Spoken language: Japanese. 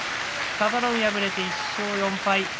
佐田の海、敗れて１勝４敗です。